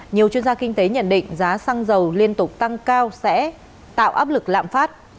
nhiều chuyên gia kinh tế nhận định giá xăng dầu liên tục tăng cao sẽ tạo áp lực lạm phát